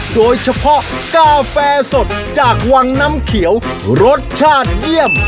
โดยเฉพาะกาแฟสดจากวังน้ำเขียวรสชาติเยี่ยม